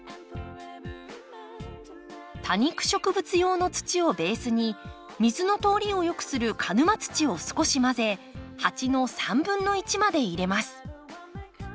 多肉植物用の土をベースに水の通りを良くする鹿沼土を少し混ぜ鉢の1/3まで入れます。